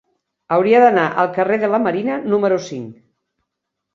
Hauria d'anar al carrer de la Marina número cinc.